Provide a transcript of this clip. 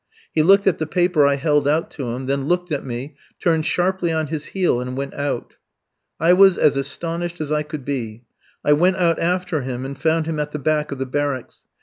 He looked at the paper I held out to him, then looked at me, turned sharply on his heel and went out. I was as astonished as I could be. I went out after him, and found him at the back of the barracks.